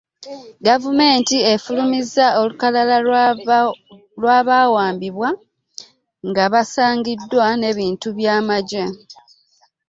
Gavumenti efulumizza olukalala lw'abawambibwa nga basangiddwa n'ebintu by'amagye